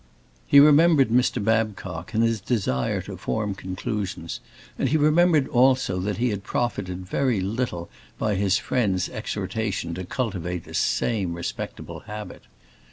He remembered Mr. Babcock and his desire to form conclusions, and he remembered also that he had profited very little by his friend's exhortation to cultivate the same respectable habit.